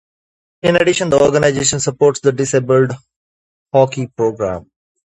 In addition, the organization supports a disabled hockey program.